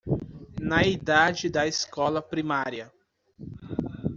Na idade da escola primária